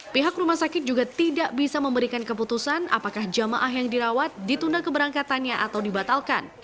pihak rumah sakit juga tidak bisa memberikan keputusan apakah jamaah yang dirawat ditunda keberangkatannya atau dibatalkan